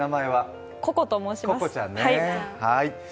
ココと申します。